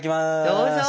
どうぞ。